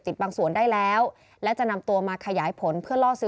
บางส่วนได้แล้วและจะนำตัวมาขยายผลเพื่อล่อซื้อ